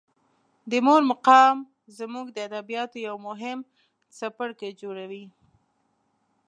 د مور مقام زموږ د ادبیاتو یو مهم څپرکی جوړوي.